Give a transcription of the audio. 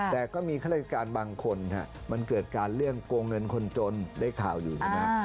แต่ก็มีข้าราชการบางคนมันเกิดการเรื่องโกงเงินคนจนได้ข่าวอยู่ใช่ไหม